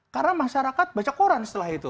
karena masyarakat baca koran setelah itu